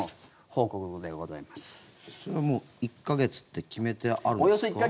それはもう１か月って決めてあるんですか？